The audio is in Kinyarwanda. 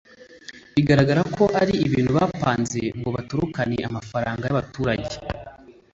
bigaragara ko ari ibintu bapanze ngo batorokane amafaranga y’abaturage